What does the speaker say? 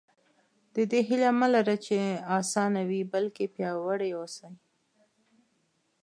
د دې هیله مه لره چې اسانه وي بلکې پیاوړي اوسئ.